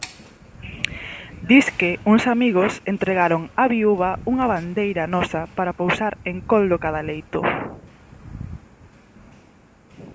Disque uns amigos entregaron á viúva unha bandeira nosa para pousar encol do cadaleito.